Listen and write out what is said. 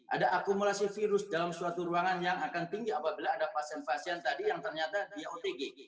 ada akumulasi virus dalam suatu ruangan yang akan tinggi apabila ada pasien pasien tadi yang ternyata dia otg